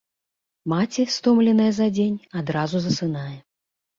Маці, стомленая за дзень, адразу засынае.